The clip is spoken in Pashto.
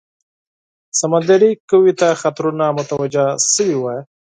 سمندري قوې ته خطرونه متوجه سوي وای.